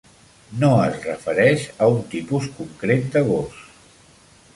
No es refereix a un tipus concret de gos.